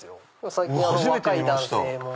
最近若い男性も。